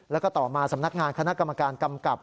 แล้วก็ต่อมาสำนักงานคณะกรรมการกำกับ